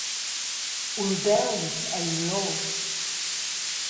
Uldauns ein loschs.